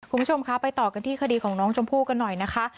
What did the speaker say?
ขอให้รู้สึกว่าคุณผู้ชมค่ะไปต่อกันที่คดีของน้องชมพูกันหน่อยนะคะ